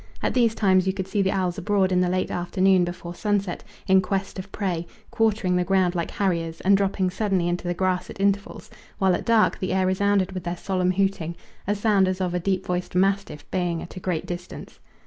At these times you could see the owls abroad in the late afternoon, before sunset, in quest of prey, quartering the ground like harriers, and dropping suddenly into the grass at intervals, while at dark the air resounded with their solemn hooting, a sound as of a deep voiced mastiff baying at a great distance.